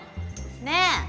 ねえ！